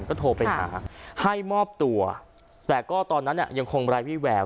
ก็โทรไปหาให้มอบตัวแต่ก็ตอนนั้นเนี้ยยังคงแบรอินทรีย์แวว